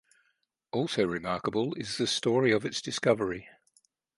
Also remarkable is the story of its discovery.